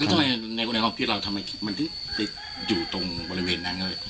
แล้วทำไมในกุณะของพี่เราทำอะไรมันจะอยู่ตรงบริเวณนั้นก็ได้